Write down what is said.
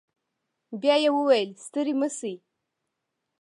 بيا يې وويل ستړي مه سئ.